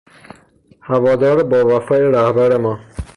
هوادار باوفای رهبر ما